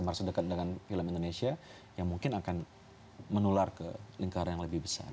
merasa dekat dengan film indonesia yang mungkin akan menular ke lingkaran yang lebih besar